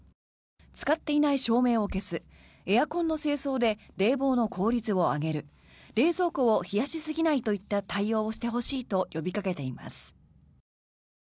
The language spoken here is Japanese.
使っていない照明を消すエアコンの清掃で冷房の効率を上げる冷蔵庫を冷やしすぎないといった対応をしてほしいと呼びかけています。